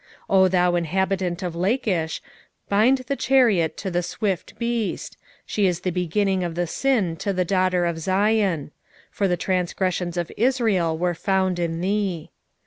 1:13 O thou inhabitant of Lachish, bind the chariot to the swift beast: she is the beginning of the sin to the daughter of Zion: for the transgressions of Israel were found in thee.